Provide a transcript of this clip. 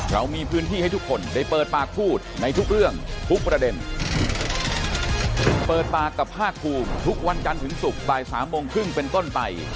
วันกันถึงศุกร์บ่าย๓โมงครึ่งเป็นก้นไป